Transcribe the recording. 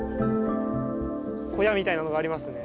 小屋みたいなのがありますね。